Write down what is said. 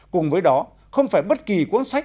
cùng với đó không phải bất kỳ cuốn sách